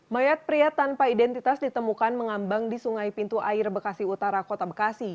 mayat pria tanpa identitas ditemukan mengambang di sungai pintu air bekasi utara kota bekasi